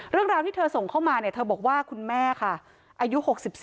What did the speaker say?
ราวที่เธอส่งเข้ามาเธอบอกว่าคุณแม่อายุ๖๔